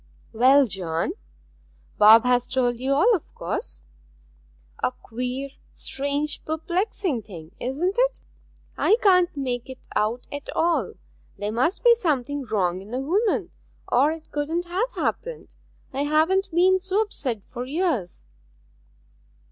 'Well, John; Bob has told you all, of course? A queer, strange, perplexing thing, isn't it? I can't make it out at all. There must be something wrong in the woman, or it couldn't have happened. I haven't been so upset for years.'